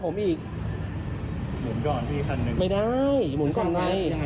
ไม่ได้หมุนก่อนเลย